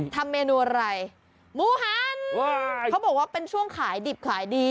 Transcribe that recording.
ทำเมนูอะไรหมูหันเขาบอกว่าเป็นช่วงขายดิบขายดี